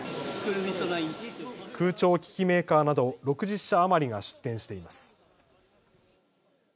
空調機器メーカーなど６０社余りが出展しています。